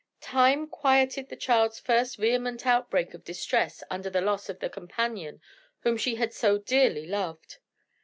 Time quieted the child's first vehement outbreak of distress under the loss of the companion whom she had so dearly loved.